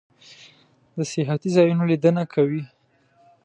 د سیاحتی ځایونو لیدنه کوئ؟